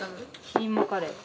キーマカレー。